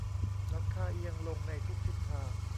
หลังคาเอียงลงในทุกทิศทาง